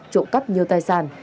trộm cắp nhiều tài sản